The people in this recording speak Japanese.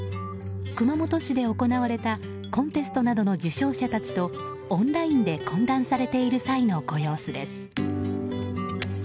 熊本市で行われたコンテストなどの受賞者たちとオンラインで懇談されている際のご様子です。